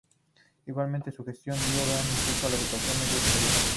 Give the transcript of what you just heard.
Igualmente, su gestión dio gran impulso a la Educación media superior.